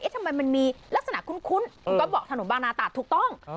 เอ๊ะทำไมมันมีลักษณะคุ้นคุ้นคุณก๊อบบอกถนนบางนาตาถูกต้อง